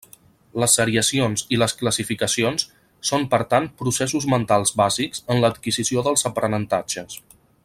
Les seriacions i les classificacions són per tant processos mentals bàsics en l’adquisició dels aprenentatges.